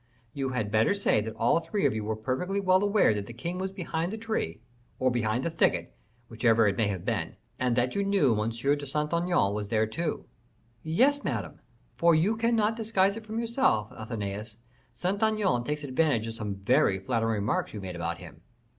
"You had better say that all three of you were perfectly well aware that the king was behind the tree, or behind the thicket, whichever it might have been; and that you knew M. de Saint Aignan was there too." "Yes, Madame." "For you cannot disguise it from yourself, Athenais, Saint Aignan takes advantage of some very flattering remarks you made about him."